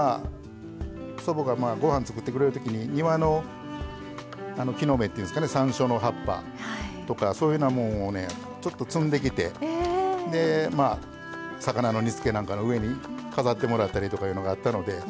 祖母がご飯作ってくれるときに庭の木の芽、さんしょうの葉っぱそういうふうなものをちょっと摘んできて魚の煮つけなんかの上に飾ってもらったりっていうのがあったので。